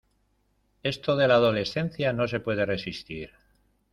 Esto de la adolescencia no se puede resistir.